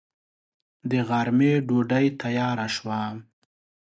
د غرمې ډوډۍ تياره شوه.